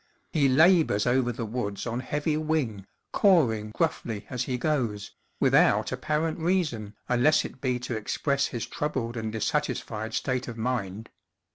He labors over the woods on heavy wing, cawing gruffly as he goes, without apparent reason unless it be to express his troubled and dissatisfied state of mind.